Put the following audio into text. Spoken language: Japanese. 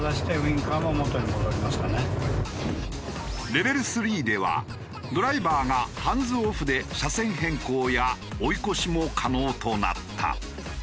レベル３ではドライバーがハンズオフで車線変更や追い越しも可能となった。